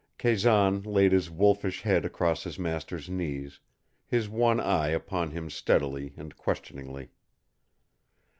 Kazan laid his wolfish head across his master's knees, his one eye upon him steadily and questioningly.